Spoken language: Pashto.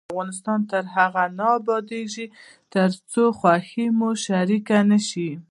افغانستان تر هغو نه ابادیږي، ترڅو خوښي مو شریکه نشي.